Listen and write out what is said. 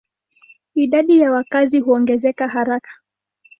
Idadi ya wakazi huongezeka haraka.